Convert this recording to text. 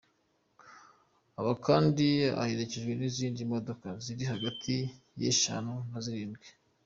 Aba kandi aherekejwe n’izindi modoka ziri hagati y’eshanu na zirindwi.